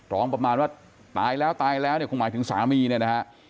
ประมาณว่าตายแล้วตายแล้วเนี่ยคงหมายถึงสามีเนี่ยนะฮะ